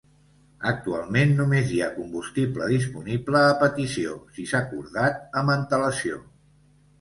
Actualment només hi ha combustible disponible a petició si s'ha acordat amb antelació.